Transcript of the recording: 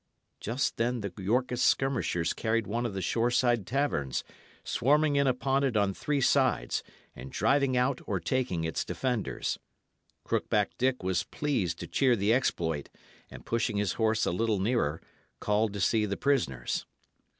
Just then the Yorkist skirmishers carried one of the shoreside taverns, swarming in upon it on three sides, and driving out or taking its defenders. Crookback Dick was pleased to cheer the exploit, and pushing his horse a little nearer, called to see the prisoners.